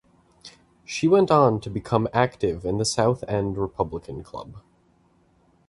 She went on to become active in the South End Republican Club.